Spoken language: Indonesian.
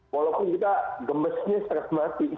walaupun kita gemesnya stres mati